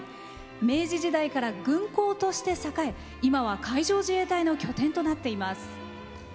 明治時代から軍港として栄え今は海上自衛隊の拠点となっています。